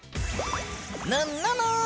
ぬっぬぬん！